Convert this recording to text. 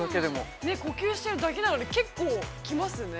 呼吸してるだけなのに結構きますね。